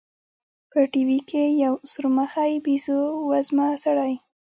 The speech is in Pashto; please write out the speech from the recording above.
په ټي وي کښې يو سورمخى بيزو وزمه سړى.